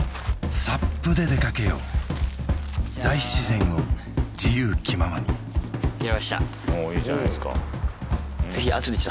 ＳＵＰで出かけよう大自然を自由気ままに着替えました